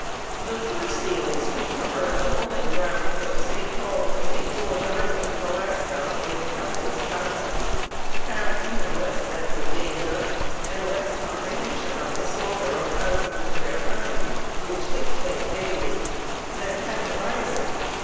The fur seals who cover the "hauling grounds" of St. Paul and St. George Islands, Alaska, in countless thousands, have even less sense of danger and less comprehension of the slaughter of thousands of their kind, which takes place daily, than had the bison.